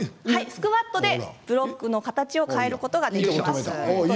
スクワットでブロックの形を変えることができます。